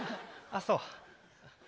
あそう。